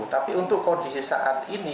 tapi untuk kondisi saat ini